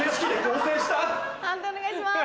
判定お願いします。